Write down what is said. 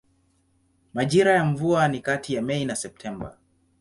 Majira ya mvua ni kati ya Mei na Septemba.